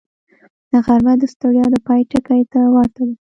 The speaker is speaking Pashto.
غرمه د ستړیا د پای ټکي ته ورته ده